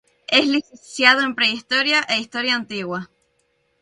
Es licenciado en Prehistoria e Historia Antigua.